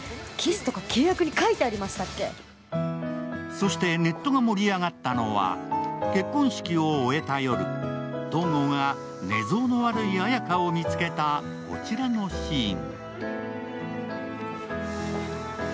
そして、ネットが盛り上がったのは、結婚式を終えた夜、東郷が寝相の悪い綾華を見つけた、こちらのシーン。